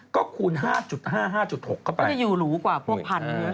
ก็คูณ๕๕๖เข้าไปมันจะอยู่หรูกว่าพวกพัน